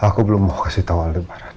aku belum mau kasih tau aldebaran